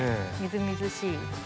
みずみずしい。